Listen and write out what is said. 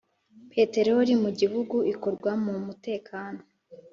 Peteroli mu gihugu ikorwa mu mutekano